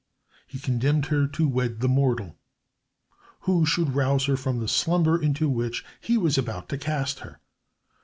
He condemned her to wed the mortal who should rouse her from the slumber into which he was about to cast her.